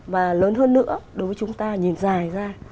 và lớn hơn nữa đối với chúng ta nhìn dài ra